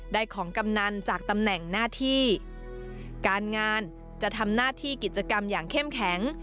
ของกำนันจากตำแหน่งหน้าที่การงานจะทำหน้าที่กิจกรรมอย่างเข้มแข็ง